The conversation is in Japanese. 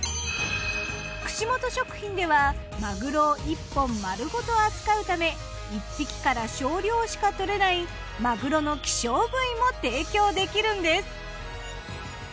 串本食品ではマグロを一本丸ごと扱うため１匹から少量しかとれないマグロの稀少部位も提供できるんです。